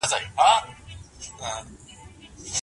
موږ په استراحت کولو بوخت یو.